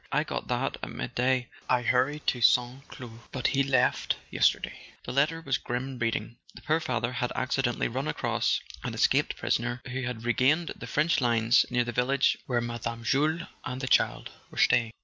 "I got that at midday. I hurried to St. Cloud—but he left yesterday." The letter was grim reading. The poor father had accidentally run across an escaped prisoner who had [ 125 ] A SON AT THE FRONT regained the French lines near the village where Mme. Jules and the child were staying.